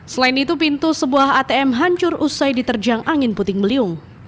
selain itu pintu sebuah atm hancur usai diterjang angin puting beliung